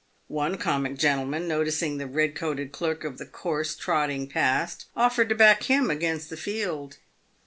One comic gentleman, noticing the red coated clerk of the course trotting past, offered to back him against the field.